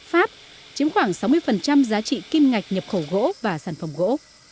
pháp chiếm khoảng sáu mươi giá trị kim ngạch nhập khẩu gỗ và sản phẩm gỗ